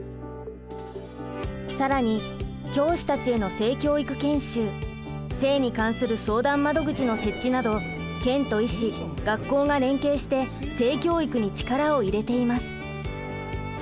更に教師たちへの性教育研修性に関する相談窓口の設置など県と医師学校が連携して性教育に力を入れています。